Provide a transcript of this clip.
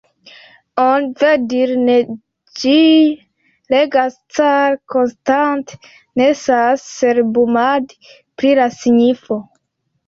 Oni, verdire, ne ĝue legas, ĉar konstante necesas cerbumadi pri la signifo.